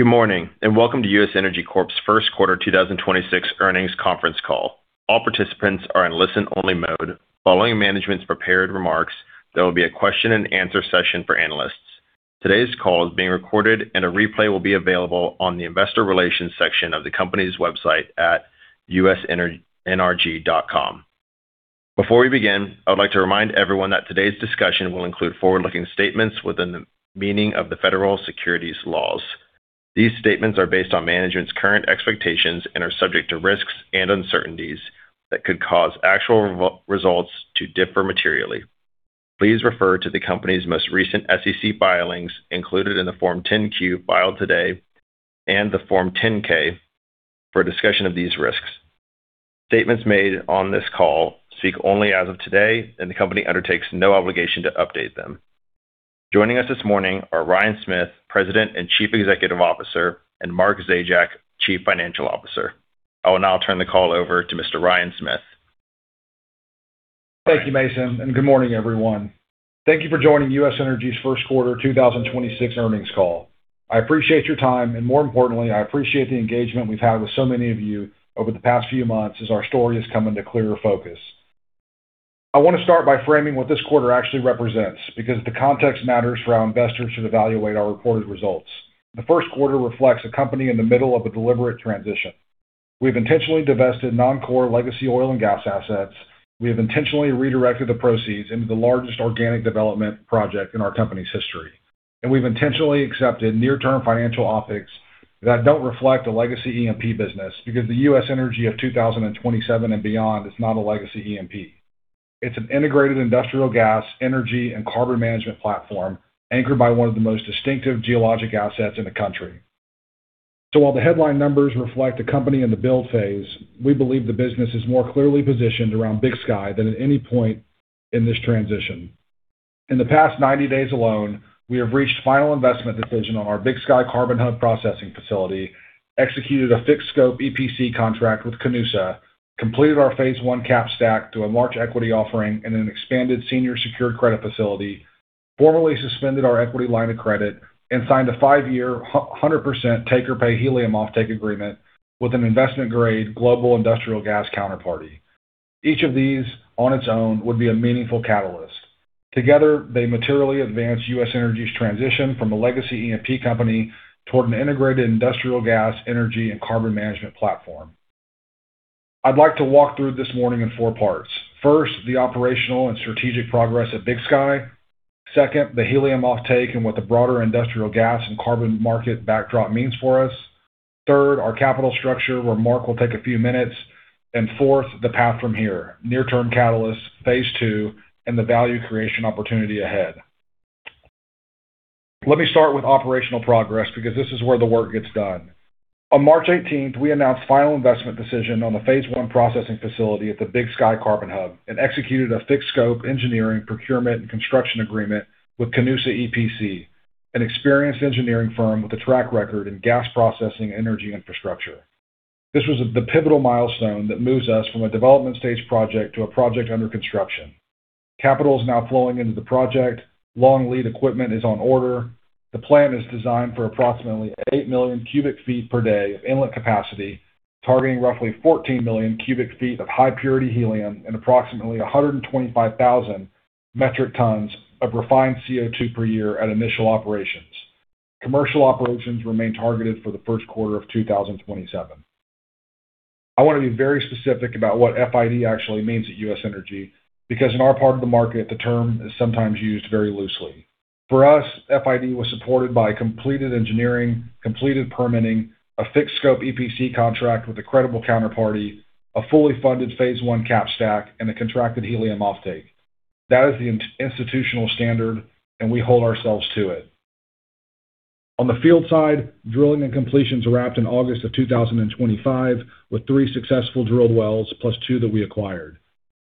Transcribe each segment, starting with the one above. Good morning, and welcome to U.S. Energy Corp's first quarter 2026 earnings conference call. All participants are in listen-only mode. Following management's prepared remarks, there will be a question and answer session for analysts. Today's call is being recorded, and a replay will be available on the investor relations section of the company's website at usnrg.com. Before we begin, I would like to remind everyone that today's discussion will include forward-looking statements within the meaning of the federal securities laws. These statements are based on management's current expectations and are subject to risks and uncertainties that could cause actual results to differ materially. Please refer to the company's most recent SEC filings, included in the Form 10-Q filed today and the Form 10-K for a discussion of these risks. Statements made on this call speak only as of today, and the company undertakes no obligation to update them. Joining us this morning are Ryan Smith, President and Chief Executive Officer, and Mark Zajac, Chief Financial Officer. I will now turn the call over to Mr. Ryan Smith. Thank you, Mason, and good morning, everyone. Thank you for joining U.S. Energy's first quarter 2026 earnings call. I appreciate your time, and more importantly, I appreciate the engagement we've had with so many of you over the past few months as our story is coming to clearer focus. I want to start by framing what this quarter actually represents because the context matters for how investors should evaluate our reported results. The first quarter reflects a company in the middle of a deliberate transition. We've intentionally divested non-core legacy oil and gas assets, we have intentionally redirected the proceeds into the largest organic development project in our company's history, and we've intentionally accepted near-term financial optics that don't reflect a legacy E&P business because the U.S. Energy of 2027 and beyond is not a legacy E&P. It's an integrated industrial gas, energy, and carbon management platform anchored by one of the most distinctive geologic assets in the country. While the headline numbers reflect a company in the build phase, we believe the business is more clearly positioned around Big Sky than at any point in this transition. In the past 90 days alone, we have reached final investment decision on our Big Sky Carbon Hub processing facility, executed a fixed scope EPC contract with Canusa, completed our phase I cap stack through a large equity offering and an expanded senior secured credit facility, formally suspended our equity line of credit, and signed a five-year, 100% take-or-pay helium offtake agreement with an investment-grade global industrial gas counterparty. Each of these on its own would be a meaningful catalyst. Together, they materially advance U.S. Energy's transition from a legacy E&P company toward an integrated industrial gas, energy, and carbon management platform. I'd like to walk through this morning in four parts. First, the operational and strategic progress at Big Sky. Second, the helium offtake and what the broader industrial gas and carbon market backdrop means for us. Third, our capital structure, where Mark will take a few minutes. Fourth, the path from here, near-term catalysts, phase II, and the value creation opportunity ahead. Let me start with operational progress, because this is where the work gets done. On March 18th, we announced final investment decision on the phase I processing facility at the Big Sky Carbon Hub and executed a fixed scope engineering, procurement, and construction agreement with CANUSA EPC, an experienced engineering firm with a track record in gas processing energy infrastructure. This was the pivotal milestone that moves us from a development stage project to a project under construction. Capital is now flowing into the project. Long lead equipment is on order. The plant is designed for approximately 8 million cubic feet per day of inlet capacity, targeting roughly 14 million cubic feet of high purity helium and approximately 125,000 metric tons of refined CO2 per year at initial operations. Commercial operations remain targeted for the first quarter of 2027. I want to be very specific about what FID actually means at U.S. Energy because in our part of the market, the term is sometimes used very loosely. For us, FID was supported by completed engineering, completed permitting, a fixed scope EPC contract with a credible counterparty, a fully funded phase I cap stack, and a contracted helium offtake. That is the institutional standard, and we hold ourselves to it. On the field side, drilling and completions wrapped in August of 2025, with three successful drilled wells plus two that we acquired.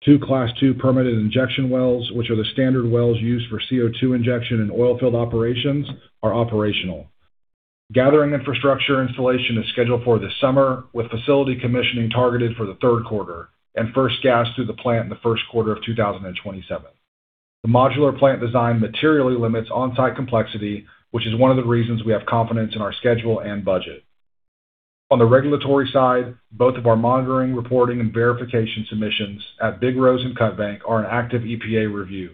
Two Class II permitted injection wells, which are the standard wells used for CO2 injection in oil field operations, are operational. Gathering infrastructure installation is scheduled for this summer, with facility commissioning targeted for the third quarter and first gas through the plant in the first quarter of 2027. The modular plant design materially limits on-site complexity, which is one of the reasons we have confidence in our schedule and budget. On the regulatory side, both of our monitoring, reporting, and verification submissions at Big Rose and Cut Bank are in active EPA review.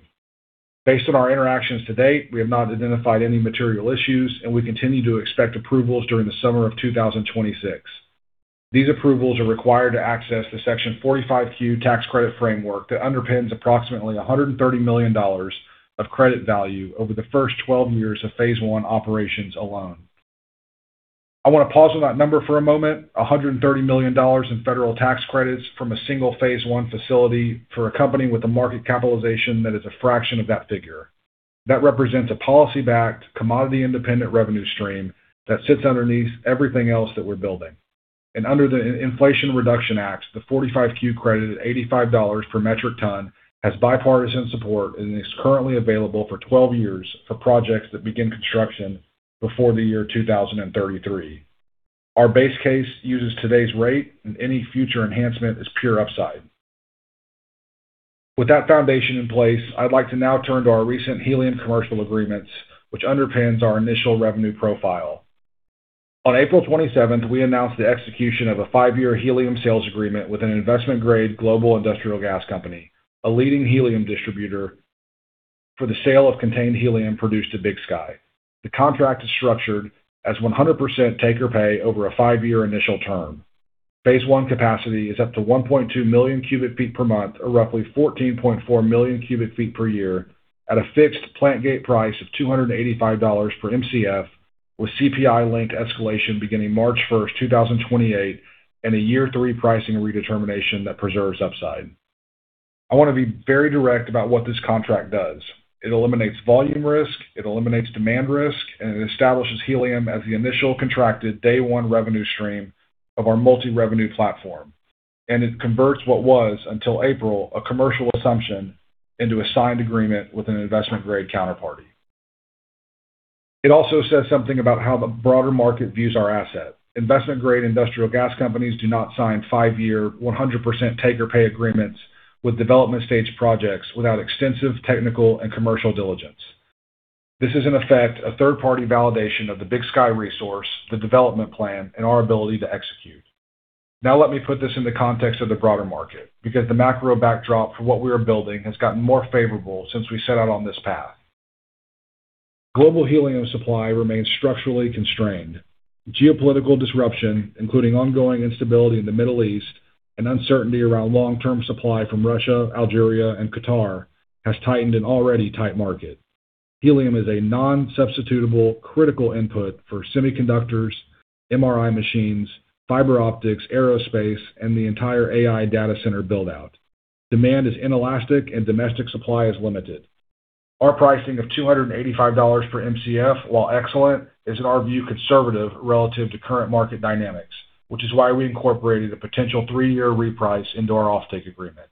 Based on our interactions to date, we have not identified any material issues, and we continue to expect approvals during the summer of 2026. These approvals are required to access the Section 45Q tax credit framework that underpins approximately $130 million of credit value over the first 12 years of phase I operations alone. I want to pause on that number for a moment. $130 million in federal tax credits from a single phase I facility for a company with a market capitalization that is a fraction of that figure. That represents a policy-backed, commodity-independent revenue stream that sits underneath everything else that we're building. Under the Inflation Reduction Act, the 45Q credit at $85 per metric ton has bipartisan support and is currently available for 12 years for projects that begin construction before the year 2033. Our base case uses today's rate and any future enhancement is pure upside. With that foundation in place, I'd like to now turn to our recent helium commercial agreements, which underpins our initial revenue profile. On April 27th, we announced the execution of a five-year helium sales agreement with an investment-grade global industrial gas company, a leading helium distributor for the sale of contained helium produced at Big Sky. The contract is structured as 100% take-or-pay over a five-year initial term. Phase I capacity is up to 1.2 million cubic feet per month, or roughly 14.4 million cubic feet per year at a fixed plant gate price of $285 per Mcf with CPI-linked escalation beginning March 1, 2028 and a year three pricing redetermination that preserves upside. I want to be very direct about what this contract does. It eliminates volume risk, it eliminates demand risk, and it establishes helium as the initial contracted day one revenue stream of our multi-revenue platform. It converts what was, until April, a commercial assumption into a signed agreement with an investment-grade counterparty. It also says something about how the broader market views our asset. Investment-grade industrial gas companies do not sign five-year, 100% take-or-pay agreements with development stage projects without extensive technical and commercial diligence. This is, in effect, a third-party validation of the Big Sky resource, the development plan, and our ability to execute. Let me put this in the context of the broader market, because the macro backdrop for what we are building has gotten more favorable since we set out on this path. Global helium supply remains structurally constrained. Geopolitical disruption, including ongoing instability in the Middle East and uncertainty around long-term supply from Russia, Algeria, and Qatar has tightened an already tight market. Helium is a non-substitutable critical input for semiconductors, MRI machines, fiber optics, aerospace, and the entire AI data center build-out. Demand is inelastic and domestic supply is limited. Our pricing of $285 per Mcf, while excellent, is in our view, conservative relative to current market dynamics, which is why we incorporated a potential three-year reprice into our offtake agreement.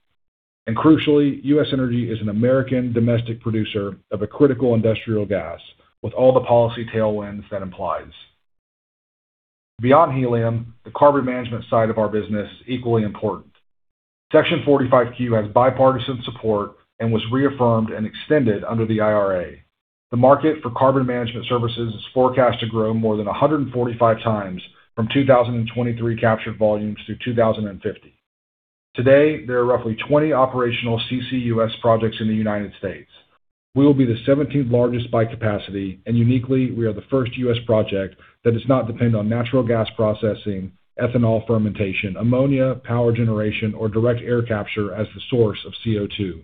Crucially, U.S. Energy is an American domestic producer of a critical industrial gas, with all the policy tailwinds that implies. Beyond helium, the carbon management side of our business is equally important. Section 45Q has bipartisan support and was reaffirmed and extended under the IRA. The market for carbon management services is forecast to grow more than 145 times from 2023 captured volumes through 2050. Today, there are roughly 20 operational CCUS projects in the United States. We will be the 17th largest by capacity, and uniquely, we are the first U.S. project that does not depend on natural gas processing, ethanol fermentation, ammonia, power generation, or direct air capture as the source of CO2.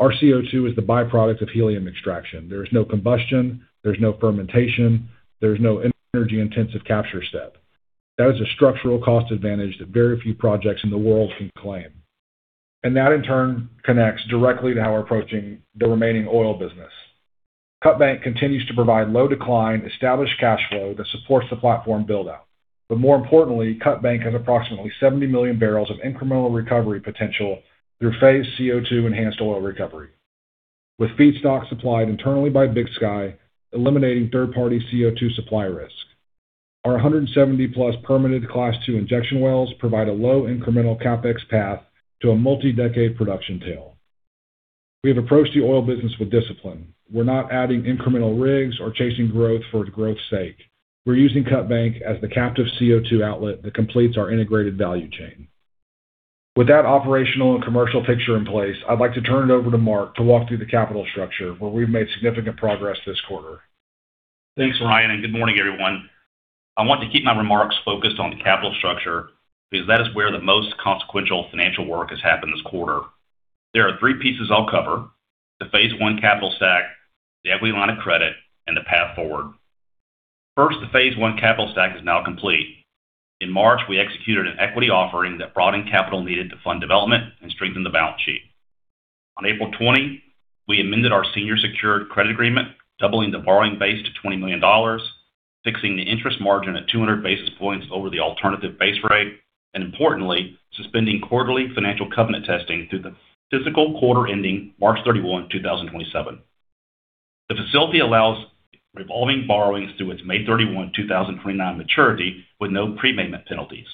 Our CO2 is the byproduct of helium extraction. There is no combustion, there's no fermentation, there's no energy-intensive capture step. That is a structural cost advantage that very few projects in the world can claim. That, in turn, connects directly to how we're approaching the remaining oil business. Cut Bank continues to provide low decline, established cash flow that supports the platform build-out. More importantly, Cut Bank has approximately 70 million barrels of incremental recovery potential through phase CO2 enhanced oil recovery. With feedstock supplied internally by Big Sky, eliminating third-party CO2 supply risk. Our 170-plus permitted Class II injection wells provide a low incremental CapEx path to a multi-decade production tail. We have approached the oil business with discipline. We're not adding incremental rigs or chasing growth for growth's sake. We're using Cut Bank as the captive CO2 outlet that completes our integrated value chain. With that operational and commercial picture in place, I'd like to turn it over to Mark to walk through the capital structure, where we've made significant progress this quarter. Thanks, Ryan. Good morning, everyone. I want to keep my remarks focused on the capital structure because that is where the most consequential financial work has happened this quarter. There are three pieces I'll cover: the phase I capital stack, the equity line of credit, and the path forward. First, the phase I capital stack is now complete. In March, we executed an equity offering that brought in capital needed to fund development and strengthen the balance sheet. On April 20, we amended our senior secured credit agreement, doubling the borrowing base to $20 million, fixing the interest margin at 200 basis points over the alternative base rate, and importantly, suspending quarterly financial covenant testing through the fiscal quarter ending March 31, 2027. The facility allows revolving borrowings through its May 31, 2029 maturity with no prepayment penalties.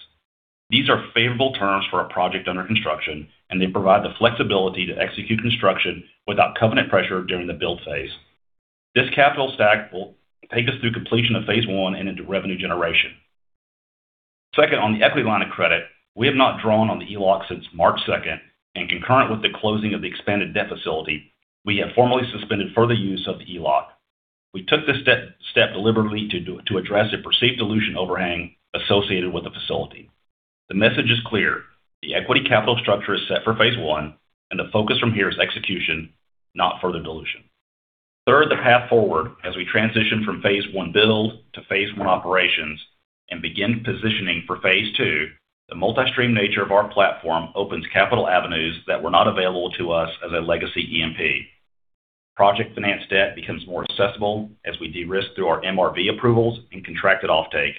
These are favorable terms for a project under construction, and they provide the flexibility to execute construction without covenant pressure during the build phase. This capital stack will take us through completion of phase I and into revenue generation. Second, on the equity line of credit, we have not drawn on the ELOC since March 2nd, and concurrent with the closing of the expanded debt facility, we have formally suspended further use of the ELOC. We took this step deliberately to address a perceived dilution overhang associated with the facility. The message is clear: the equity capital structure is set for phase I, and the focus from here is execution, not further dilution. Third, the path forward as we transition from phase I build to phase I operations and begin positioning for phase II, the multi-stream nature of our platform opens capital avenues that were not available to us as a legacy E&P. Project finance debt becomes more accessible as we de-risk through our MRV approvals and contracted offtake.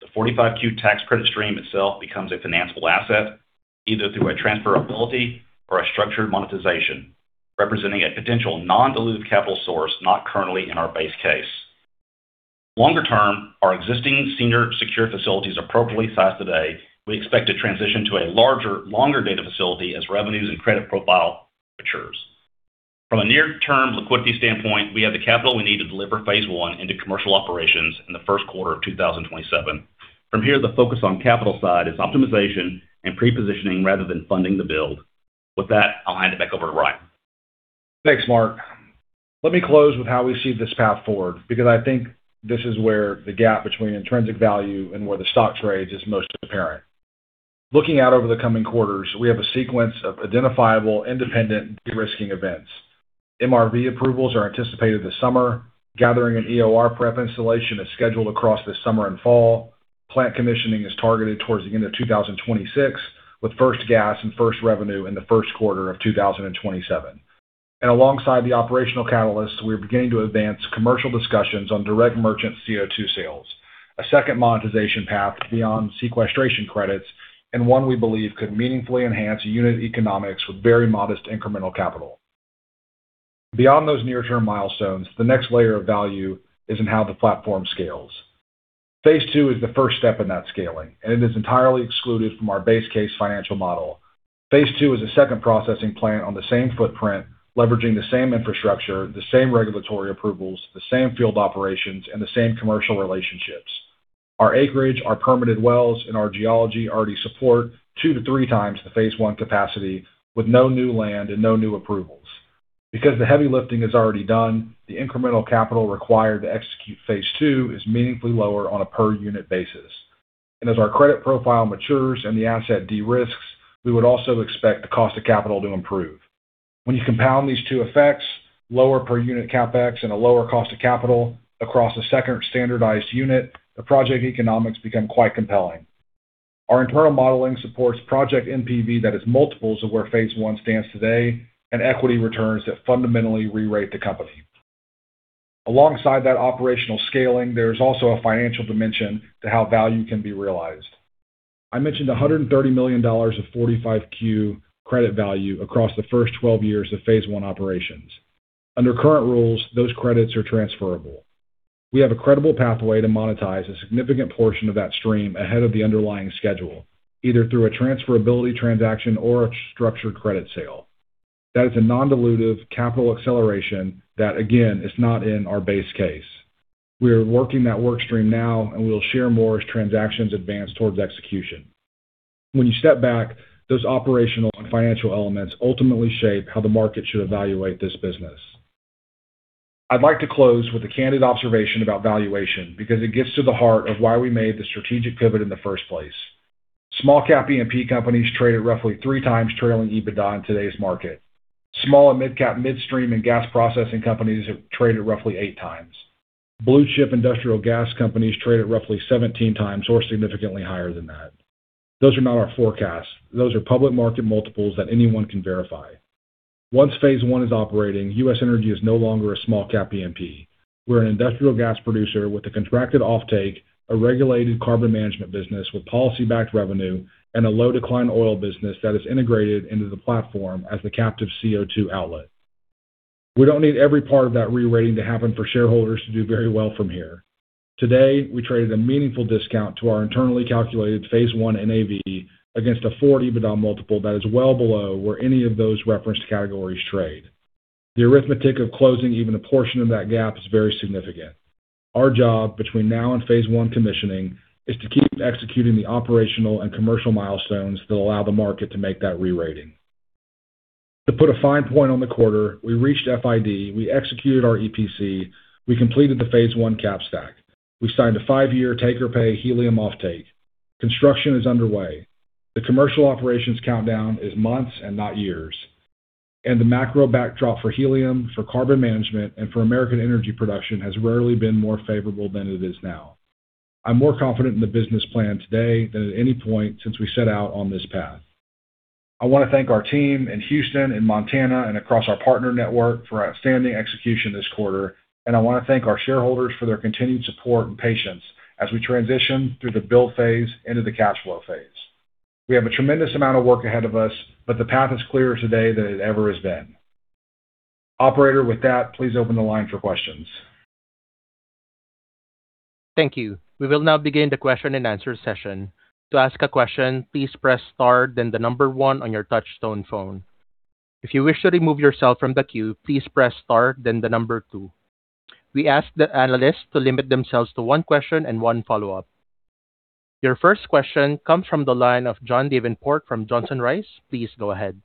The 45Q tax credit stream itself becomes a financeable asset, either through a transferability or a structured monetization, representing a potential non-dilutive capital source not currently in our base case. Longer term, our existing senior secure facility is appropriately sized today. We expect to transition to a larger, longer data facility as revenues and credit profile matures. From a near-term liquidity standpoint, we have the capital we need to deliver phase I into commercial operations in the first quarter of 2027. From here, the focus on capital side is optimization and pre-positioning rather than funding the build. With that, I'll hand it back over to Ryan. Thanks, Mark. Let me close with how we see this path forward because I think this is where the gap between intrinsic value and where the stock trades is most apparent. Looking out over the coming quarters, we have a sequence of identifiable, independent, de-risking events. MRV approvals are anticipated this summer. Gathering an EOR prep installation is scheduled across this summer and fall. Plant commissioning is targeted towards the end of 2026, with first gas and first revenue in the first quarter of 2027. Alongside the operational catalysts, we're beginning to advance commercial discussions on direct merchant CO2 sales, a second monetization path beyond sequestration credits, and one we believe could meaningfully enhance unit economics with very modest incremental capital. Beyond those near-term milestones, the next layer of value is in how the platform scales. Phase II is the first step in that scaling, and it is entirely excluded from our base case financial model. Phase II is a second processing plant on the same footprint, leveraging the same infrastructure, the same regulatory approvals, the same field operations, and the same commercial relationships. Our acreage, our permitted wells, and our geology already support two to three times the phase I capacity with no new land and no new approvals. Because the heavy lifting is already done, the incremental capital required to execute phase II is meaningfully lower on a per-unit basis. As our credit profile matures and the asset de-risks, we would also expect the cost of capital to improve. When you compound these two effects, lower per-unit CapEx and a lower cost of capital across a second standardized unit, the project economics become quite compelling. Our internal modeling supports project NPV that is multiples of where phase I stands today and equity returns that fundamentally re-rate the company. Alongside that operational scaling, there's also a financial dimension to how value can be realized. I mentioned $130 million of 45Q credit value across the first 12 years of phase I operations. Under current rules, those credits are transferable. We have a credible pathway to monetize a significant portion of that stream ahead of the underlying schedule, either through a transferability transaction or a structured credit sale. That is a non-dilutive capital acceleration that again, is not in our base case. We are working that work stream now, and we will share more as transactions advance towards execution. When you step back, those operational and financial elements ultimately shape how the market should evaluate this business. I'd like to close with a candid observation about valuation because it gets to the heart of why we made the strategic pivot in the first place. Small cap E&P companies traded roughly 3x trailing EBITDA in today's market. Small and midcap midstream and gas processing companies have traded roughly 8x. Blue-chip industrial gas companies traded roughly 17x or significantly higher than that. Those are not our forecasts. Those are public market multiples that anyone can verify. Once phase I is operating, U.S. Energy is no longer a small cap E&P. We're an industrial gas producer with a contracted offtake, a regulated carbon management business with policy-backed revenue, and a low decline oil business that is integrated into the platform as the captive CO2 outlet. We don't need every part of that re-rating to happen for shareholders to do very well from here. Today, we traded a meaningful discount to our internally calculated phase I NAV against a four EBITDA multiple that is well below where any of those referenced categories trade. The arithmetic of closing even a portion of that gap is very significant. Our job between now and phase I commissioning is to keep executing the operational and commercial milestones that allow the market to make that re-rating. To put a fine point on the quarter, we reached FID, we executed our EPC, we completed the phase I cap stack. We signed a five-year take-or-pay helium offtake. Construction is underway. The commercial operations countdown is months and not years. The macro backdrop for helium, for carbon management, and for American energy production has rarely been more favorable than it is now. I'm more confident in the business plan today than at any point since we set out on this path. I want to thank our team in Houston and Montana and across our partner network for outstanding execution this quarter, and I want to thank our shareholders for their continued support and patience as we transition through the build phase into the cash flow phase. We have a tremendous amount of work ahead of us, but the path is clearer today than it ever has been. Operator, with that, please open the line for questions. Thank you. We will now begin the question and answer session. To ask a question, please press star, then the number one on your touch tone phone. If you wish to remove yourself from the queue, please press star, then the number two. We ask the analysts to limit themselves to one question and one follow-up. Your first question comes from the line of John Davenport from Johnson Rice. Please go ahead.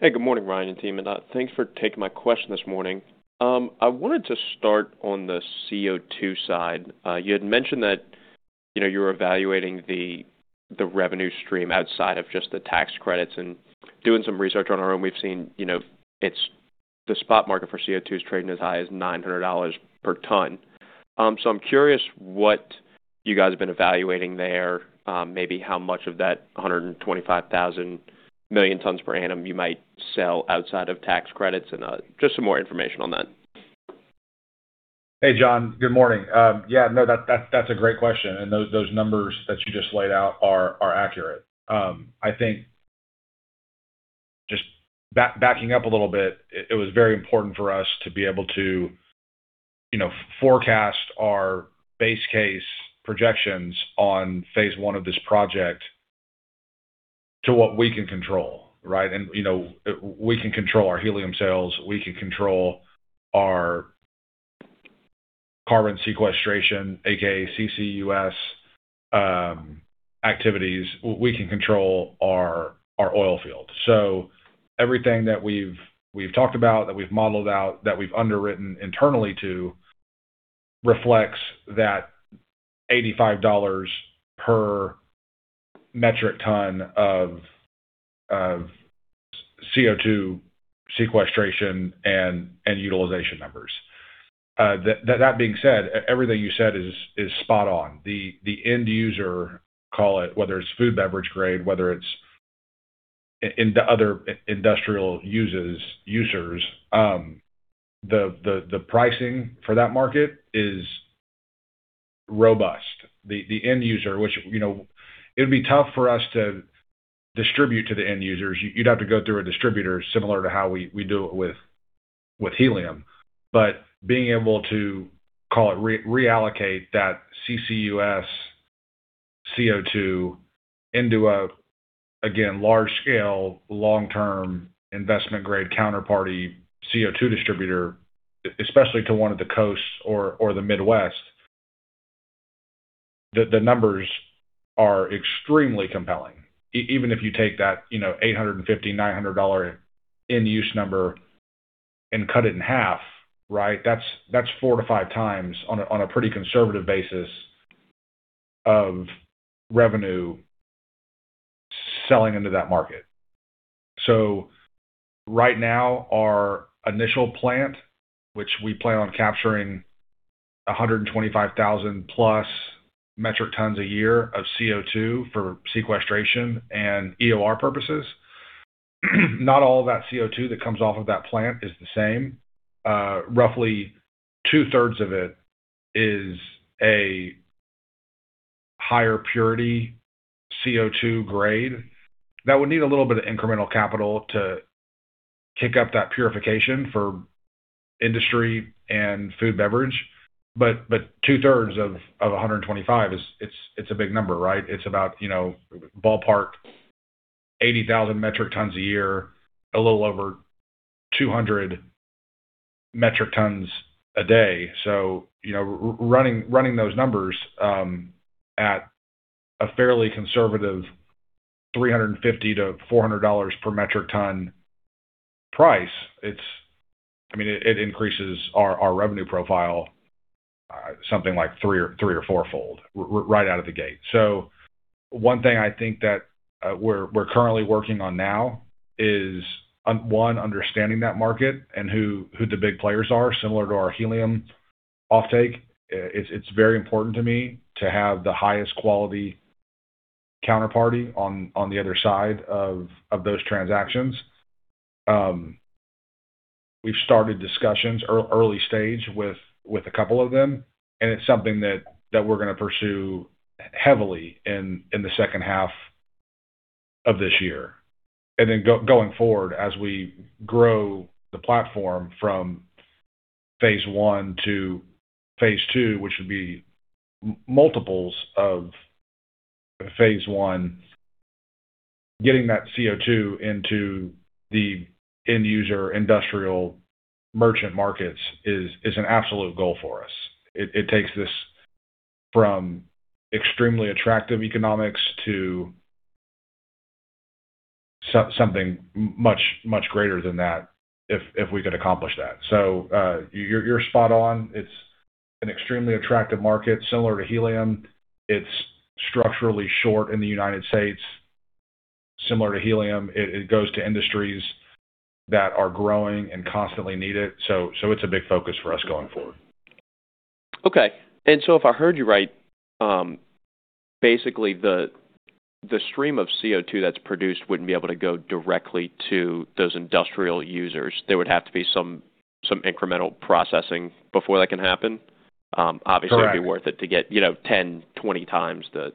Hey, good morning, Ryan and team, thanks for taking my question this morning. I wanted to start on the CO2 side. You had mentioned that, you know, you're evaluating the revenue stream outside of just the tax credits and doing some research on our own. We've seen, you know, the spot market for CO2 is trading as high as $900 per ton. I'm curious what you guys have been evaluating there, maybe how much of that 125,000 million tons per annum you might sell outside of tax credits and just some more information on that. Hey, John. Good morning. Yeah, no, that's a great question, and those numbers that you just laid out are accurate. Just backing up a little bit, it was very important for us to be able to, you know, forecast our base case projections on phase I of this project to what we can control, right? You know, we can control our helium sales, we can control our carbon sequestration, AKA CCUS, activities. We can control our oil field. Everything that we've talked about, that we've modeled out, that we've underwritten internally reflects that $85 per metric ton of CO2 sequestration and utilization numbers. That being said, everything you said is spot on. The end user, call it, whether it's food beverage grade, whether it's in the other industrial users, the pricing for that market is robust. The end user, which, you know, it'd be tough for us to distribute to the end users. You'd have to go through a distributor similar to how we do it with helium. Being able to call it reallocate that CCUS CO2 into a, again, large scale, long-term investment grade counterparty CO2 distributor, especially to one of the coasts or the Midwest, the numbers are extremely compelling. Even if you take that, you know, $850, $900 end use number and cut it in half, right? That's four to five times on a pretty conservative basis of revenue selling into that market. Right now, our initial plant, which we plan on capturing 125,000 plus metric tons a year of CO2 for sequestration and EOR purposes, not all of that CO2 that comes off of that plant is the same. Roughly two-thirds of it is a higher purity CO2 grade that would need a little bit of incremental capital to kick up that purification for industry and food beverage. Two-thirds of 125, it's a big number, right? It's about, you know, ballpark 80,000 metric tons a year, a little over 200 metric tons a day. You know, running those numbers, at a fairly conservative $350-$400 per metric ton price, I mean, it increases our revenue profile, something like three or fourfold right out of the gate. One thing I think that we're currently working on now is, one, understanding that market and who the big players are, similar to our helium offtake. It's very important to me to have the highest quality counterparty on the other side of those transactions. We've started discussions early stage with a couple of them, and it's something that we're gonna pursue heavily in the second half of this year. Going forward, as we grow the platform from phase I to phase II, which would be multiples of phase I, getting that CO2 into the end user industrial merchant markets is an absolute goal for us. It takes us from extremely attractive economics to something much greater than that if we could accomplish that. You're spot on. It's an extremely attractive market similar to helium. It's structurally short in the U.S., similar to helium. It goes to industries that are growing and constantly need it. It's a big focus for us going forward. Okay. If I heard you right, basically the stream of CO2 that's produced wouldn't be able to go directly to those industrial users. There would have to be some incremental processing before that can happen. Correct. It'd be worth it to get, you know, 10, 20 times the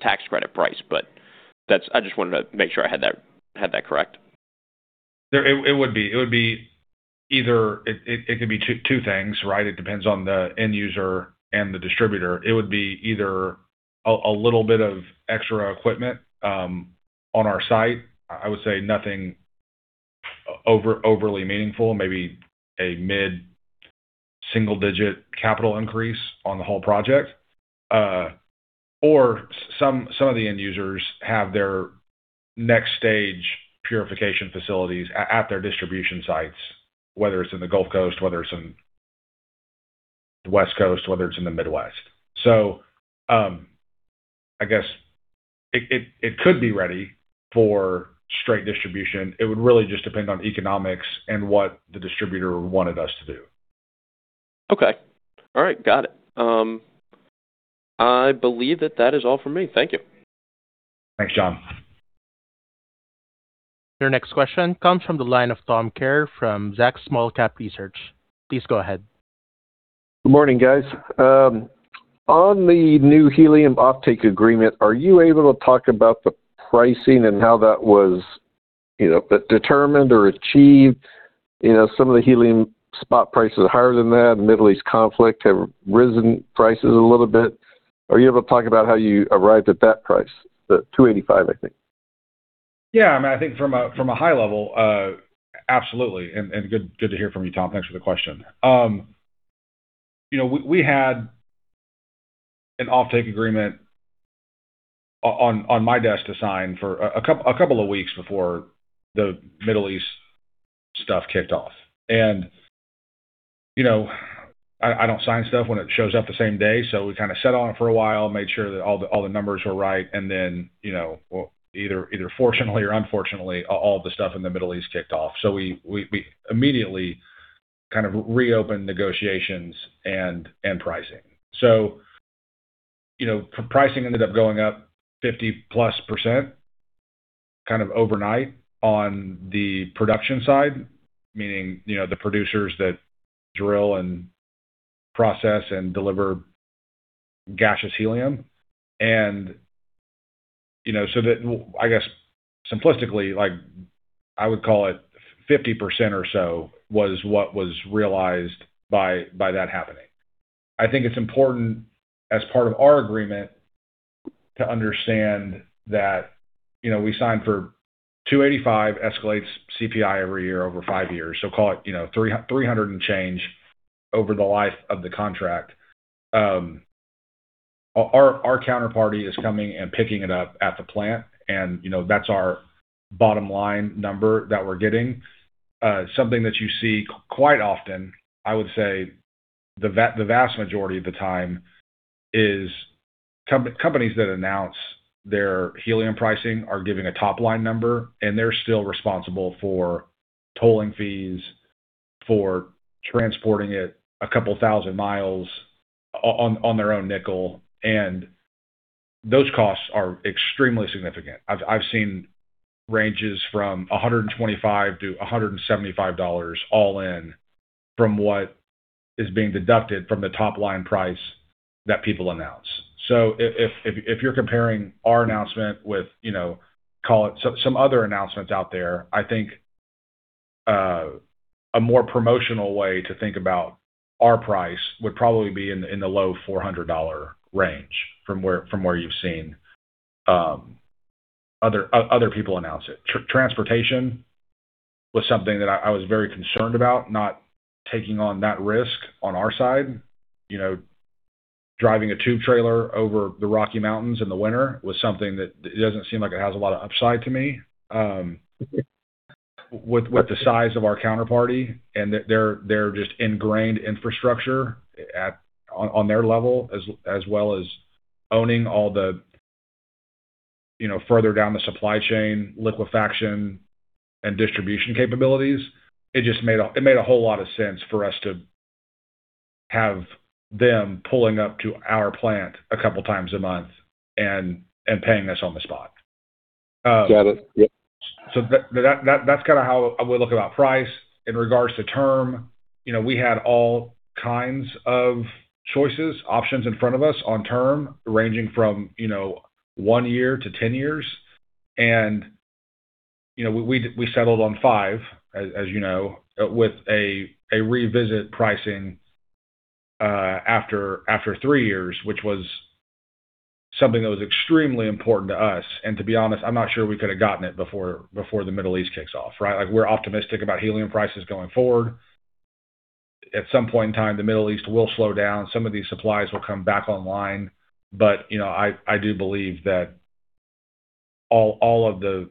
tax credit price. I just wanted to make sure I had that correct. It would be. It could be two things, right? It depends on the end user and the distributor. It would be either a little bit of extra equipment on our site. I would say nothing overly meaningful, maybe a mid-single digit capital increase on the whole project. Some of the end users have their next stage purification facilities at their distribution sites, whether it's in the Gulf Coast, whether it's in the West Coast, whether it's in the Midwest. I guess it could be ready for straight distribution. It would really just depend on economics and what the distributor wanted us to do. Okay. All right. Got it. I believe that that is all for me. Thank you. Thanks, John. Your next question comes from the line of Tom Kerr from Zacks Small Cap Research. Please go ahead. Good morning, guys. On the new helium offtake agreement, are you able to talk about the pricing and how that was, you know, determined or achieved? You know, some of the helium spot prices are higher than that. The Middle East conflict have risen prices a little bit. Are you able to talk about how you arrived at that price, the $2.85, I think? I mean, I think from a high level, absolutely. Good to hear from you, Tom. Thanks for the question. You know, we had an offtake agreement on my desk to sign for a couple of weeks before the Middle East stuff kicked off. You know, I don't sign stuff when it shows up the same day, so we kinda sat on it for a while, made sure that all the numbers were right. You know, well, either fortunately or unfortunately, all the stuff in the Middle East kicked off. We immediately kind of reopened negotiations and pricing. You know, pricing ended up going up 50-plus% kind of overnight on the production side, meaning, you know, the producers that drill and process and deliver gaseous helium. You know, that I guess simplistically, like I would call it 50% or so was what was realized by that happening. I think it's important as part of our agreement to understand that, you know, we signed for $285 escalates CPI every year over five years. Call it, you know, 300 and change over the life of the contract. Our counterparty is coming and picking it up at the plant and, you know, that's our bottom line number that we're getting. Something that you see quite often, I would say the vast majority of the time, is companies that announce their helium pricing are giving a top-line number, and they're still responsible for tolling fees, for transporting it a couple thousand miles on their own nickel, and those costs are extremely significant. I've seen ranges from $125-$175 all in from what is being deducted from the top-line price that people announce. If you're comparing our announcement with, you know, call it some other announcements out there, I think a more promotional way to think about our price would probably be in the low $400 range from where, from where you've seen other people announce it. Transportation was something that I was very concerned about, not taking on that risk on our side. You know, driving a tube trailer over the Rocky Mountains in the winter was something that it doesn't seem like it has a lot of upside to me. With the size of our counterparty and their just ingrained infrastructure at their level, as well as owning all the, you know, further down the supply chain liquefaction and distribution capabilities, it just made a whole lot of sense for us to have them pulling up to our plant a couple times a month and paying us on the spot. Got it. Yep. That's kind of how I would look about price. In regards to term, you know, we had all kinds of choices, options in front of us on term, ranging from, you know, one year to 10 years. You know, we settled on 5 as you know, with a revisit pricing after three years, which was something that was extremely important to us. To be honest, I'm not sure we could have gotten it before the Middle East kicks off, right? We're optimistic about helium prices going forward. At some point in time, the Middle East will slow down. Some of these supplies will come back online. You know, I do believe that all of the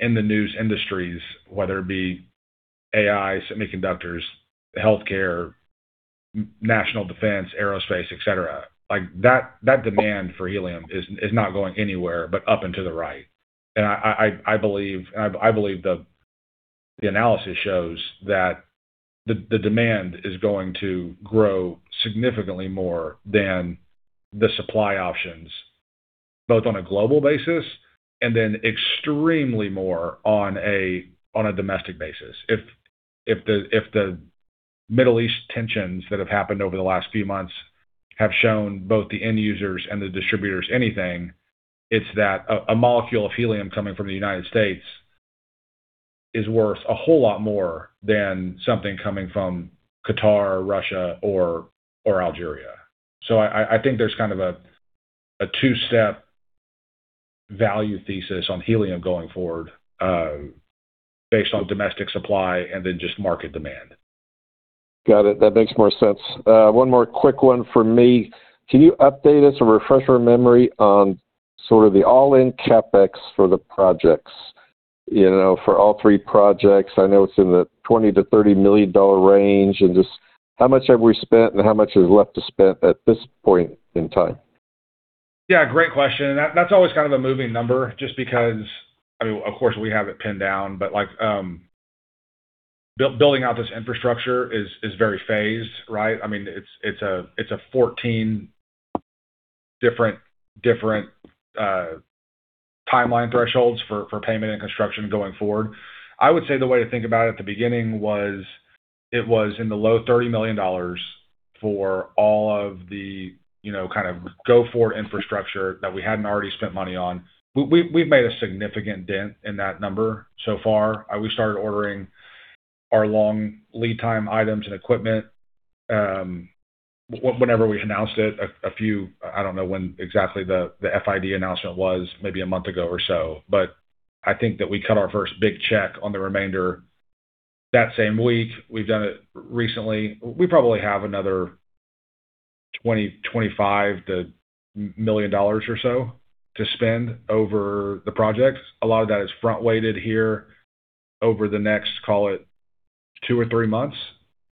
in the news industries, whether it be AI, semiconductors, healthcare, national defense, aerospace, et cetera, like that demand for helium is not going anywhere but up and to the right. I believe, and I believe the analysis shows that the demand is going to grow significantly more than the supply options, both on a global basis and then extremely more on a domestic basis. If the Middle East tensions that have happened over the last few months have shown both the end users and the distributors anything, it's that a molecule of helium coming from the United States is worth a whole lot more than something coming from Qatar, Russia, or Algeria. I think there's kind of a two-step value thesis on helium going forward, based on domestic supply and then just market demand. Got it. That makes more sense. One more quick one from me. Can you update us or refresh our memory on sort of the all-in CapEx for the projects? You know, for all three projects, I know it's in the $20 million-$30 million range, and just how much have we spent and how much is left to spend at this point in time? Great question. That's always kind of a moving number just because I mean, of course, we have it pinned down, but like, building out this infrastructure is very phased, right? I mean, it's a 14-different timeline thresholds for payment and construction going forward. I would say the way to think about it at the beginning was it was in the low $30 million for all of the, you know, kind of go forward infrastructure that we hadn't already spent money on. We've made a significant dent in that number so far. We started ordering our long lead time items and equipment whenever we announced it, a few I don't know when exactly the FID announcement was, maybe one month ago or so. I think that we cut our first big check on the remainder that same week. We've done it recently. We probably have another $20 million-$25 million or so to spend over the project. A lot of that is front-weighted here over the next, call it, two or three months,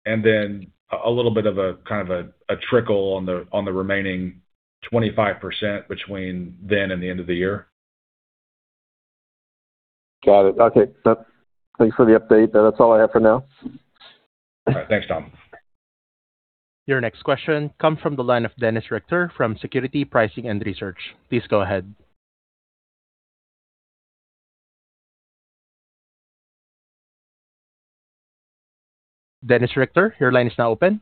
and then a little bit of a kind of a trickle on the remaining 25% between then and the end of the year. Got it. Okay. Thanks for the update. That's all I have for now. All right. Thanks, Tom. Your next question comes from the line of Dennis Richter from Security Pricing and Research. Please go ahead. Dennis Richter, your line is now open.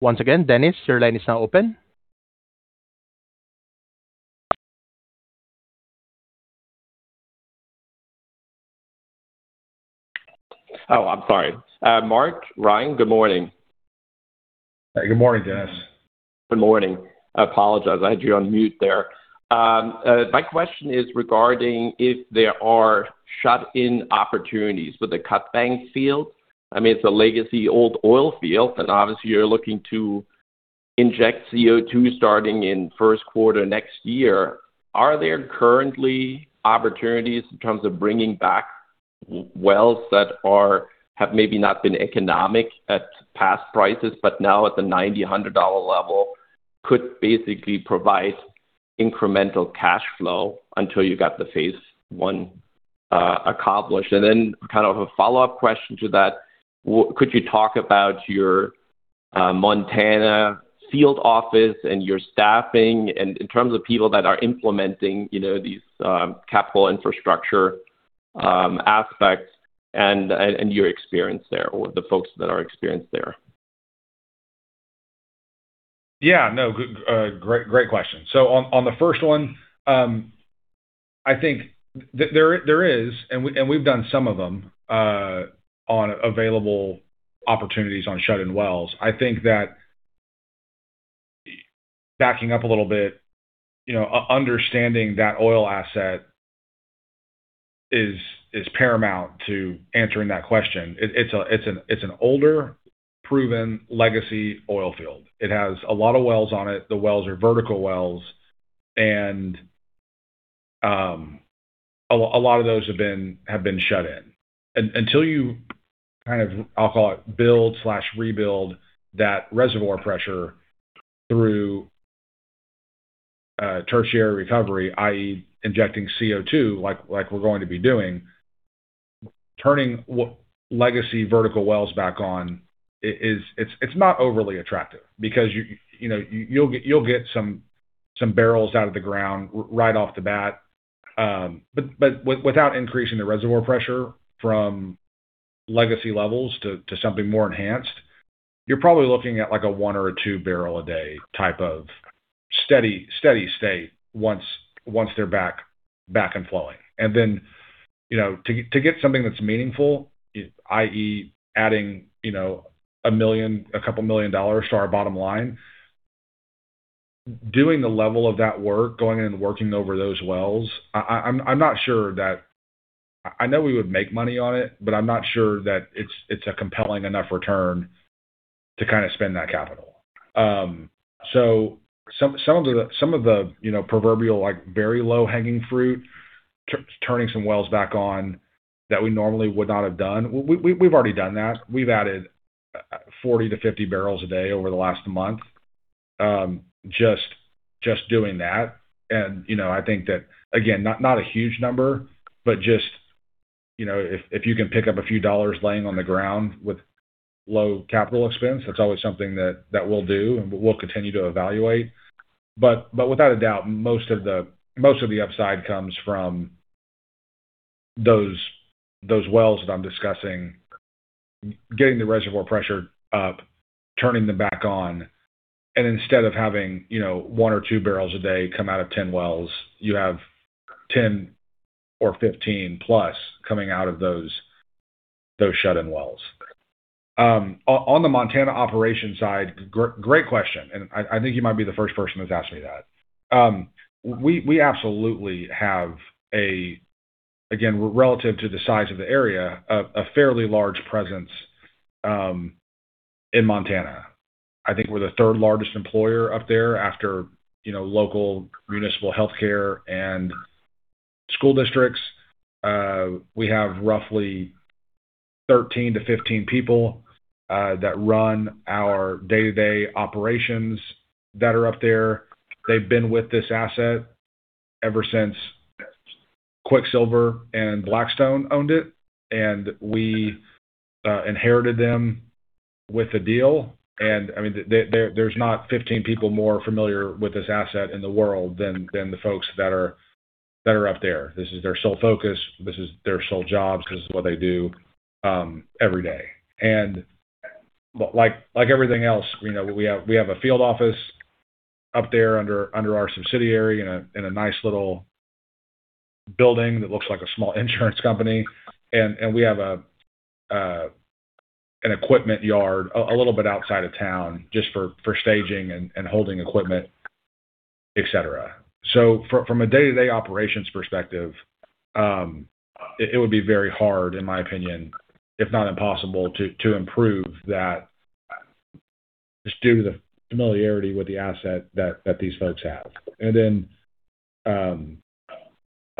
Once again, Dennis, your line is now open. Oh, I'm sorry. Mark, Ryan, good morning. Good morning, Dennis. Good morning. I apologize, I had you on mute there. My question is regarding if there are shut-in opportunities with the Cut Bank field. I mean, it's a legacy old oil field, and obviously you're looking to inject CO2 starting in first quarter next year. Are there currently opportunities in terms of bringing back wells that have maybe not been economic at past prices, but now at the $90, $100 level could basically provide incremental cash flow until you got the phase one accomplished? Then kind of a follow-up question to that, could you talk about your Montana field office and your staffing and in terms of people that are implementing, you know, these capital infrastructure aspects and your experience there, or the folks that are experienced there? No. Good. Great question. On the first one, there is, and we've done some of them, on available opportunities on shut-in wells. I think that backing up a little bit, you know, understanding that oil asset is paramount to answering that question. It's an older proven legacy oil field. It has a lot of wells on it. The wells are vertical wells and a lot of those have been shut in. Until you kind of, I'll call it, build/rebuild that reservoir pressure through tertiary recovery, i.e., injecting CO2 like we're going to be doing, turning legacy vertical wells back on it's not overly attractive because you know, you'll get some barrels out of the ground right off the bat. But without increasing the reservoir pressure from legacy levels to something more enhanced, you're probably looking at, like, a one or a two barrel a day type of steady state once they're back and flowing. You know, to get something that's meaningful, i.e., adding, you know, a million, a couple million dollars to our bottom line, doing the level of that work, going in and working over those wells, I'm not sure that I know we would make money on it, but I'm not sure that it's a compelling enough return to kind of spend that capital. Some of the, you know, proverbial, like, very low-hanging fruit, turning some wells back on that we normally would not have done, We've already done that. We've added 40 to 50 barrels a day over the last month, just doing that. You know, I think that, again, not a huge number, but just, you know, if you can pick up a few dollars laying on the ground with low capital expense, that's always something that we'll do and we'll continue to evaluate. Without a doubt, most of the upside comes from those wells that I'm discussing, getting the reservoir pressure up, turning them back on, and instead of having, you know, one or two barrels a day come out of 10 wells, you have 10 or 15 plus coming out of those shut-in wells. On the Montana operations side, great question, and I think you might be the first person who's asked me that. We absolutely have a, again, relative to the size of the area, a fairly large presence in Montana. I think we're the third largest employer up there after, you know, local municipal healthcare and school districts. We have roughly 13 to 15 people that run our day-to-day operations that are up there. They've been with this asset ever since Quicksilver and Blackstone owned it, and we inherited them with the deal. I mean, there's not 15 people more familiar with this asset in the world than the folks that are up there. This is their sole focus. This is their sole jobs. This is what they do every day. Like everything else, you know, we have a field office up there under our subsidiary in a nice little building that looks like a small insurance company. We have an equipment yard a little bit outside of town just for staging and holding equipment, et cetera. From a day-to-day operations perspective, it would be very hard, in my opinion, if not impossible, to improve that just due to the familiarity with the asset that these folks have.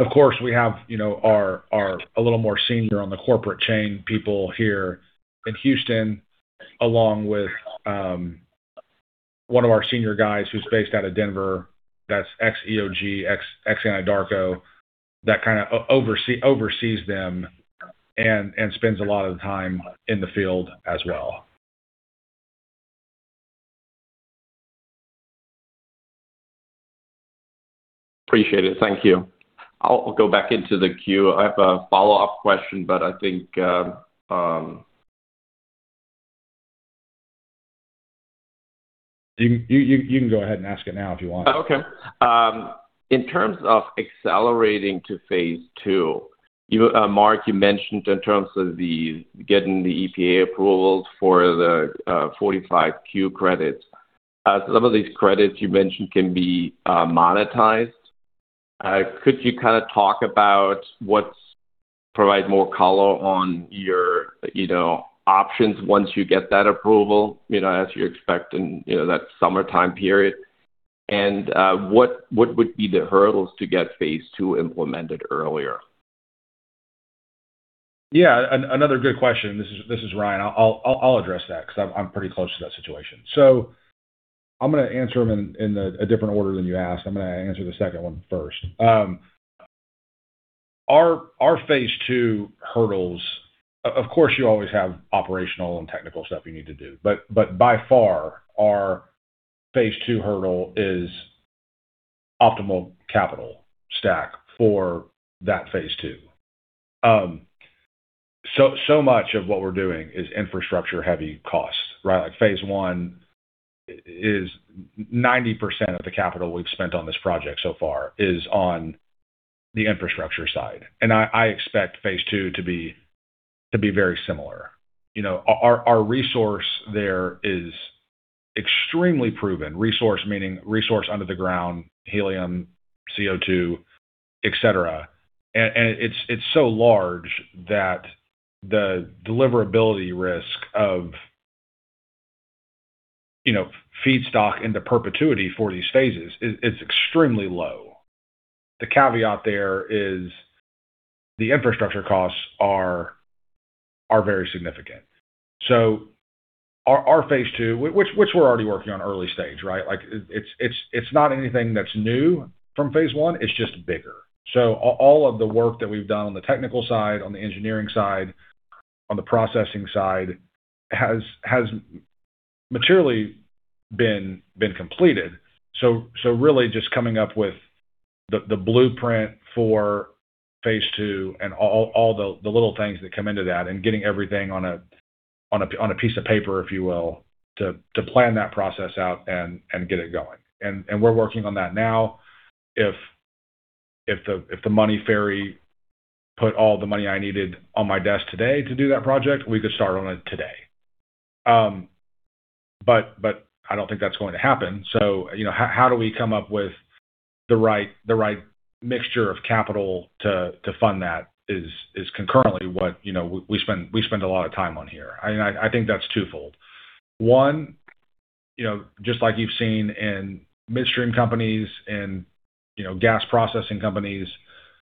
Of course, we have, you know, our a little more senior on the corporate chain people here in Houston, along with one of our senior guys who's based out of Denver, that's ex-EOG, ex-Anadarko, that kind of oversees them and spends a lot of the time in the field as well. Appreciate it. Thank you. I'll go back into the queue. I have a follow-up question. You can go ahead and ask it now if you want. Okay. In terms of accelerating to phase II, Mark, you mentioned in terms of the getting the EPA approvals for the 45Q credits. Some of these credits you mentioned can be monetized. Could you kind of talk about provide more color on your, you know, options once you get that approval, you know, as you expect in, you know, that summertime period? What would be the hurdles to get phase II implemented earlier? Yeah. Another good question. This is Ryan. I'll address that because I'm pretty close to that situation. I'm gonna answer them in a different order than you asked. I'm gonna answer the 2nd one first. Our phase II hurdles, of course, you always have operational and technical stuff you need to do. By far our phase II hurdle is optimal capital stack for that phase II. Much of what we're doing is infrastructure heavy cost, right? Like, phase I is 90% of the capital we've spent on this project so far is on the infrastructure side. I expect phase II to be very similar. You know, our resource there is extremely proven. Resource meaning resource under the ground, helium, CO2, et cetera. It's so large that the deliverability risk of, you know, feedstock into perpetuity for these phases is extremely low. The caveat there is the infrastructure costs are very significant. Our phase II, which we're already working on early stage, right? Like, it's not anything that's new from phase I, it's just bigger. All of the work that we've done on the technical side, on the engineering side, on the processing side has maturely been completed. Really just coming up with the blueprint for phase II and all the little things that come into that and getting everything on a piece of paper, if you will, to plan that process out and get it going. We're working on that now. If the money fairy put all the money I needed on my desk today to do that project, we could start on it today. I don't think that's going to happen. You know, how do we come up with the right mixture of capital to fund that is concurrently what, you know, we spend a lot of time on here. I mean, I think that's twofold. One, you know, just like you've seen in midstream companies and, you know, gas processing companies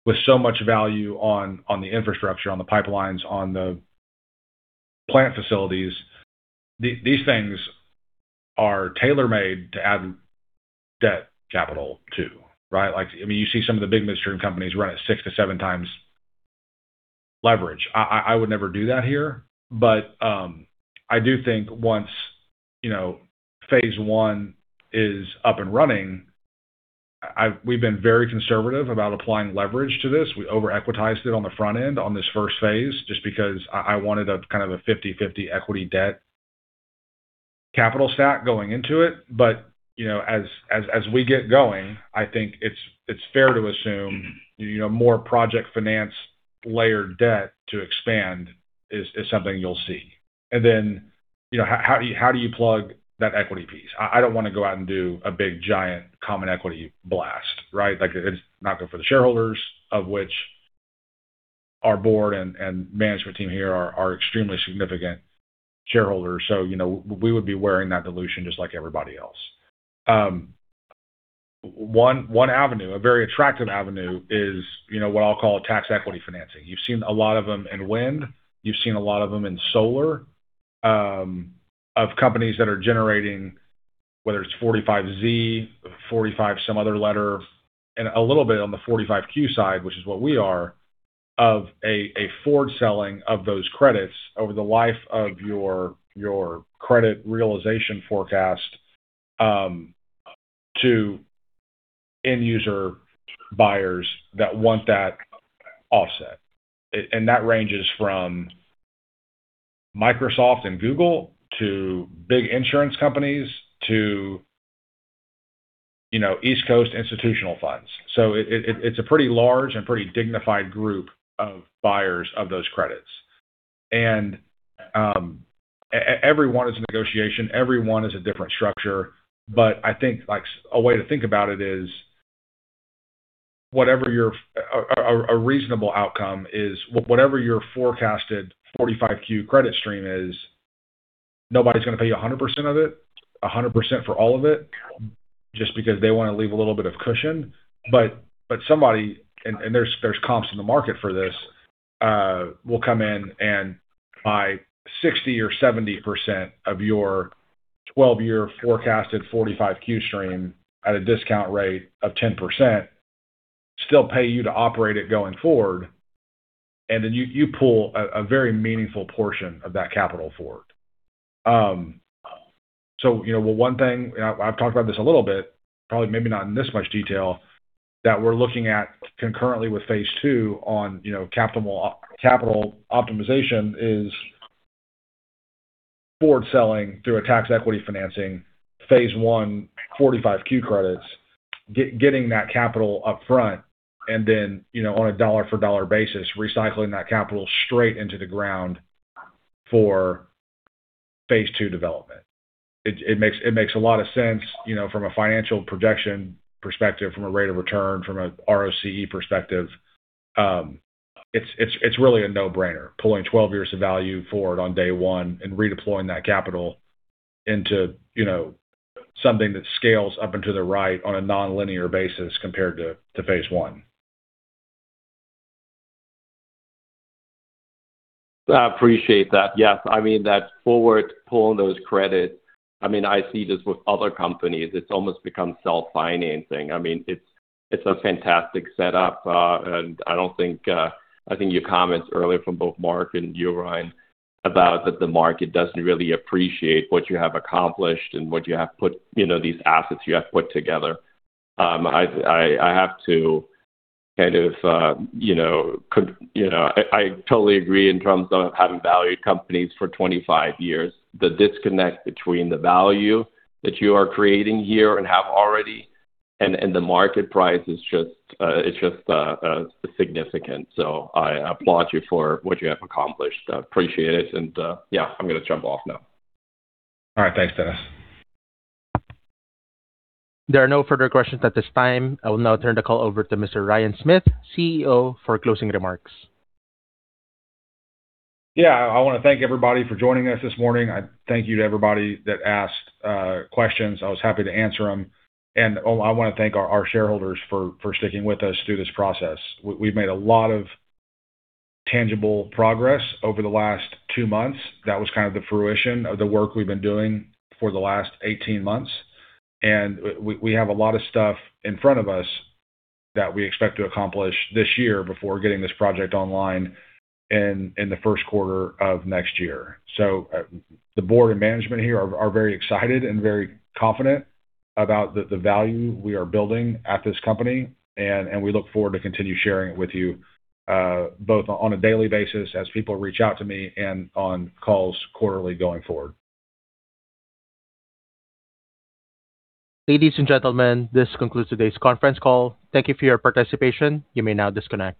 with so much value on the infrastructure, on the pipelines, on the plant facilities, these things are tailor-made to add debt capital too, right? Like, I mean, you see some of the big midstream companies run at 6 to 7 times leverage. I would never do that here. I do think once, you know, phase I is up and running, we've been very conservative about applying leverage to this. We over-equitized it on the front end on this 1st phase, just because I wanted a kind of a 50/50 equity debt capital stack going into it. You know, as we get going, I think it's fair to assume, you know, more project finance layered debt to expand is something you'll see. You know, how do you plug that equity piece? I don't wanna go out and do a big, giant common equity blast, right. Like, it's not good for the shareholders, of which our board and management team here are extremely significant shareholders. You know, we would be wearing that dilution just like everybody else. One avenue, a very attractive avenue is what I'll call tax equity financing. You've seen a lot of them in wind. You've seen a lot of them in solar, of companies that are generating, whether it's 45Z, 45 some other letter, and a little bit on the 45Q side, which is what we are, of a forward selling of those credits over the life of your credit realization forecast, to end user buyers that want that offset. That ranges from Microsoft and Google to big insurance companies to East Coast institutional funds. It's a pretty large and pretty dignified group of buyers of those credits. Every one is a negotiation. Every one is a different structure. I think, like, a way to think about it is whatever your forecasted 45Q credit stream is, nobody's gonna pay you 100% of it, 100% for all of it, just because they wanna leave a little bit of cushion. Somebody, and there's comps in the market for this, will come in and buy 60% or 70% of your 12-year forecasted 45Q stream at a discount rate of 10%, still pay you to operate it going forward, and then you pull a very meaningful portion of that capital forward. You know, one thing, I've talked about this a little bit, probably maybe not in this much detail, that we're looking at concurrently with phase II on, you know, capital optimization is forward selling through a tax equity financing, phase I 45Q credits, getting that capital up front and then, you know, on a dollar for dollar basis, recycling that capital straight into the ground for phase II development. It makes a lot of sense, you know, from a financial projection perspective, from a rate of return, from a ROCE perspective. It's really a no-brainer, pulling 12 years of value forward on day 1 and redeploying that capital into, you know, something that scales up and to the right on a nonlinear basis compared to phase I. I appreciate that. Yes. I mean, that forward pulling those credits, I mean, I see this with other companies. It's almost become self-financing. I mean, it's a fantastic setup. I think your comments earlier from both Mark and you, Ryan, about that the market doesn't really appreciate what you have accomplished and what you have put, you know, these assets you have put together. I have to kind of, you know, I totally agree in terms of having valued companies for 25 years. The disconnect between the value that you are creating here and have already and the market price, it's just significant. I applaud you for what you have accomplished. I appreciate it. Yeah, I'm gonna jump off now. All right. Thanks, Dennis. There are no further questions at this time. I will now turn the call over to Mr. Ryan Smith, CEO, for closing remarks. I wanna thank everybody for joining us this morning. I thank you to everybody that asked questions. I was happy to answer them. I wanna thank our shareholders for sticking with us through this process. We've made a lot of tangible progress over the last two months. That was kind of the fruition of the work we've been doing for the last 18 months. We have a lot of stuff in front of us that we expect to accomplish this year before getting this project online in the first quarter of next year. The board and management here are very excited and very confident about the value we are building at this company, and we look forward to continue sharing it with you, both on a daily basis as people reach out to me and on calls quarterly going forward. Ladies and gentlemen, this concludes today's conference call. Thank you for your participation. You may now disconnect.